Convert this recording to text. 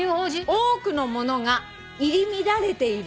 「多くのものが入り乱れている」